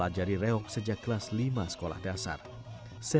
ia dese bilik saya